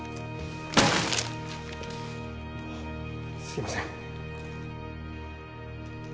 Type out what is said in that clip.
あっすいません。